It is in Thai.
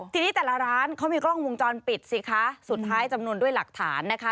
ทีนี้แต่ละร้านเขามีกล้องวงจรปิดสิคะสุดท้ายจำนวนด้วยหลักฐานนะคะ